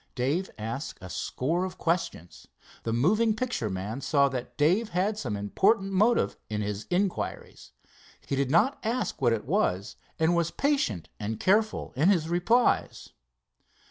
Dave asked a score of questions. The moving picture man saw that Dave had some important motive in his inquiries. He did not ask what it was, and was patient and careful in his replies.